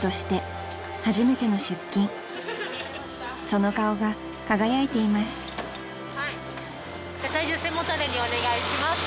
［その顔が輝いています］